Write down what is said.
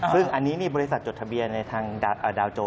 ซึ่งอันนี้บริษัทจดทะเบียนในทางดาวโจ